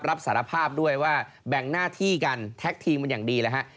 รับสารภาพด้วยว่าแบ่งหน้าที่กันแท็กทีมมันอย่างดีเลยฮะ